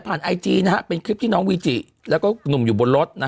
ผ่านไอจีนะครับเป็นโคลนที่น้องวีจิแล้วก็หนุ่มอยู่บนรถ